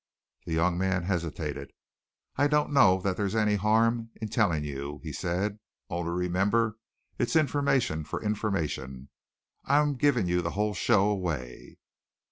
The young man hesitated. "I don't know that there's any harm in telling you," he said, "only remember its information for information. I'm giving you the whole show away."